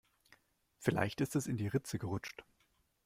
Vielleicht ist es in die Ritze gerutscht.